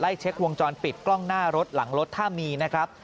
เช็ควงจรปิดกล้องหน้ารถหลังรถถ้ามีนะครับ